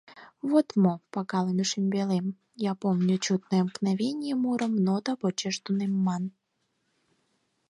— Вот мо, пагалыме шӱмбелем, «Я помню чудное мгновенье» мурым нота почеш тунемман.